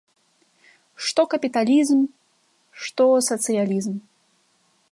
Што капіталізм, што сацыялізм.